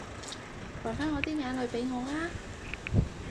還返我啲眼淚畀我啊